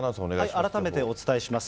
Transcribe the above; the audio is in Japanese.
改めてお伝えします。